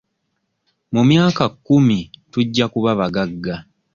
Mu myaka kkumi tujja kuba bagagga.